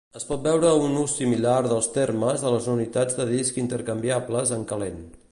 Es pot veure un ús similar dels termes a les unitats de disc intercanviables en calent.